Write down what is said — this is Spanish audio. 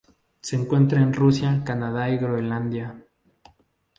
Se encuentra en Rusia, Canadá y Groenlandia.